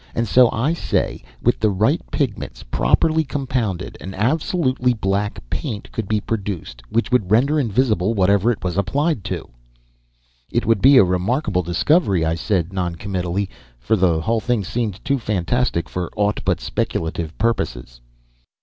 And so I say, with the right pigments, properly compounded, an absolutely black paint could be produced which would render invisible whatever it was applied to." "It would be a remarkable discovery," I said non committally, for the whole thing seemed too fantastic for aught but speculative purposes.